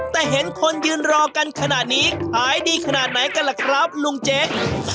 แต่เห็นคนยืนรอกันขนาดนี้ขายดีขนาดไหนกันล่ะครับลุงเจ๊ก